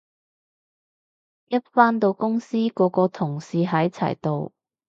一返到公司個個同事喺齊度